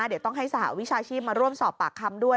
เดี๋ยวต้องให้สหวิชาชีพมาร่วมสอบปากคำด้วย